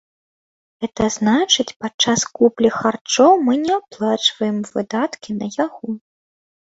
Гэта значыць, падчас куплі харчоў мы не аплачваем выдаткі на яго.